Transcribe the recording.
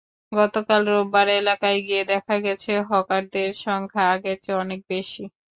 গতকাল রোববার এলাকায় গিয়ে দেখা গেছে হকারদের সংখ্যা আগের চেয়ে অনেক বেশি।